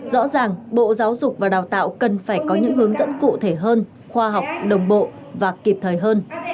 rõ ràng bộ giáo dục và đào tạo cần phải có những hướng dẫn cụ thể hơn khoa học đồng bộ và kịp thời hơn